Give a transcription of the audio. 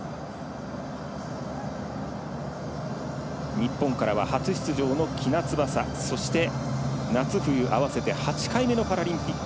日本からは初出場の喜納翼そして、夏冬合わせて８回目のパラリンピック。